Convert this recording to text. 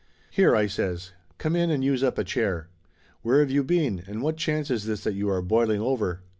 "Here!" I says. "Come in and use up a chair. Where have you been, and what chance is this that you are boiling over?"